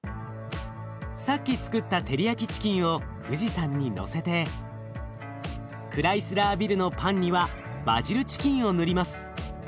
さっきつくったテリヤキチキンを富士山にのせてクライスラービルのパンにはバジルチキンを塗ります。